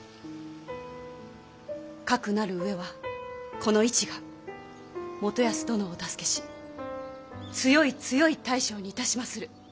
かくなる上はこの市が元康殿をお助けし強い強い大将にいたしまする。